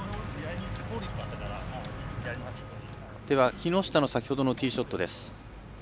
木下の先ほどのティーショットです。